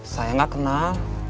saya gak kenal